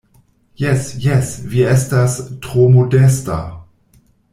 Jes, jes, vi estas tro modesta.